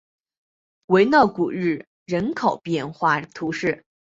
维勒古日人口变化图示